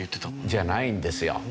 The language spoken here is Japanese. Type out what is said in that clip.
じゃないんですよ。